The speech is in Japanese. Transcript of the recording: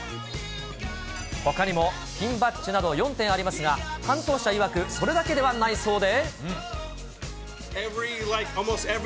ほかにもピンバッジなど４点ありますが、担当者いわく、それだけではないそうで。